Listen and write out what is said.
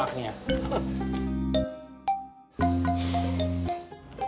kamu jangan marahin